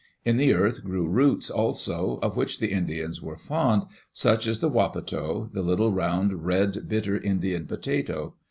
In the earth grew roots, also, of which the Indians were fond, such as the wapato — the little, round, red, bitter Indian potato.